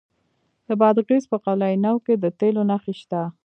د بادغیس په قلعه نو کې د تیلو نښې شته.